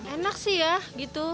enak sih ya gitu